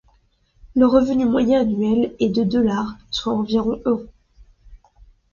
Le revenu moyen annuel est de dollars, soit environ euros.